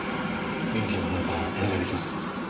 現金の運搬をお願い出来ますか？